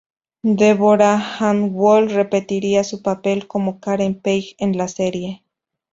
Deborah Ann Woll repetiría su papel como Karen Page en la serie.